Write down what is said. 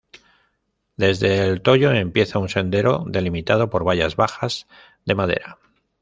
Desde El Toyo empieza un sendero delimitado por vallas bajas de madera.